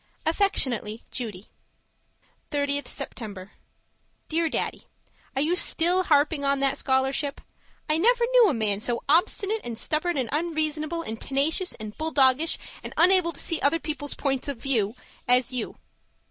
Affectionately, Judy 30th September Dear Daddy, Are you still harping on that scholarship? I never knew a man so obstinate, and stubborn and unreasonable, and tenacious, and bull doggish, and unable to see other people's point of view, as you.